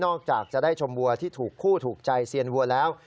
จากจะได้ชมวัวที่ถูกคู่ถูกใจเซียนวัวแล้ว